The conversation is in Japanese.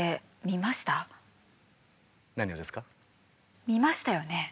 見ましたよね？